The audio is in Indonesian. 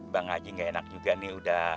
bang haji gak enak juga nih